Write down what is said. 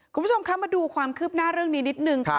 คุณผู้ชมคะมาดูความคืบหน้าเรื่องนี้นิดนึงค่ะ